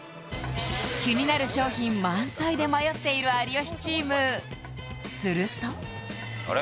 気になる商品満載で迷っている有吉チームするとあれ？